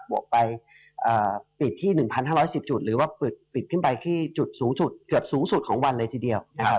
วกไปปิดที่๑๕๑๐จุดหรือว่าปิดขึ้นไปที่จุดสูงสุดเกือบสูงสุดของวันเลยทีเดียวนะครับ